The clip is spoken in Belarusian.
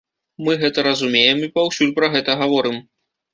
Мы гэта разумеем і паўсюль пра гэта гаворым.